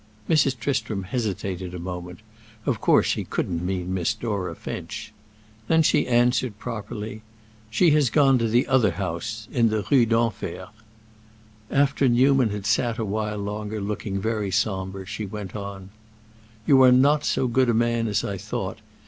Mrs. Tristram hesitated a moment; of course he couldn't mean Miss Dora Finch. Then she answered, properly: "She has gone to the other house—in the Rue d'Enfer." After Newman had sat a while longer looking very sombre, she went on: "You are not so good a man as I thought.